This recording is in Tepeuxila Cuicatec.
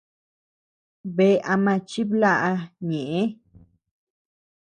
Bea ama chiblaʼa ñeʼë.